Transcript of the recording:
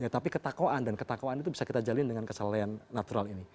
tapi ketakwaan dan ketakwaan itu bisa kita jalin dengan kesalahan natural ini